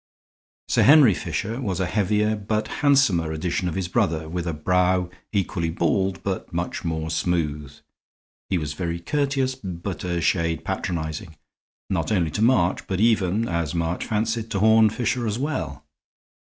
Sir Henry Fisher was a heavier, but handsomer edition of his brother, with a brow equally bald, but much more smooth. He was very courteous, but a shade patronizing, not only to March, but even, as March fancied, to Horne Fisher as well.